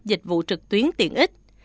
dịch vụ trực tuyến tiện ích